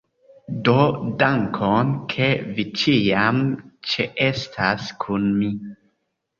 Do dankon! Ke vi ĉiam ĉeestas kun mi!